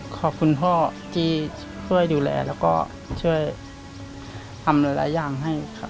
ขอบคุณพ่อที่ช่วยดูแลแล้วก็ช่วยทำหลายอย่างให้ครับ